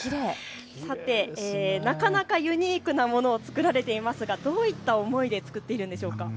さて、なかなかユニークなものを作られていますが、どういった思いで作っているんでしょうか。